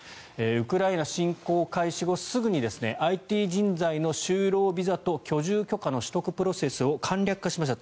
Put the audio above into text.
ウクライナ侵攻開始後すぐにＩＴ人材の就労ビザと居住許可の取得プロセスを簡略化しました。